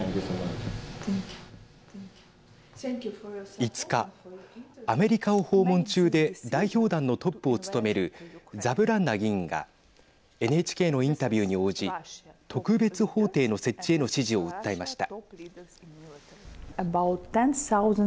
５日、アメリカを訪問中で代表団のトップを務めるザブランナ議員がＮＨＫのインタビューに応じ特別法廷の設置への支持を訴えました。